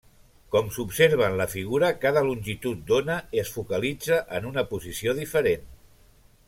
Com s'observa en la figura, cada longitud d'ona es focalitza en una posició diferent.